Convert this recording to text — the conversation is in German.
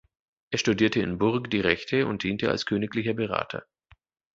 Er studierte in Bourges die Rechte und diente als königlicher Berater.